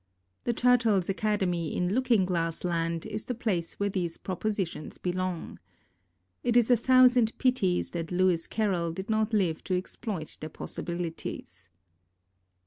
The Turtles' Academy in Looking Glass Land is the place where these propositions belong. It is a thousand. pities that Lewis Carroll did not live to exploit their possibilities.